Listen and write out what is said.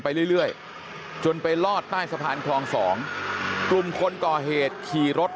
ไปเรื่อยจนไปลอดใต้สะพานคลอง๒กลุ่มคนก่อเหตุขี่รถ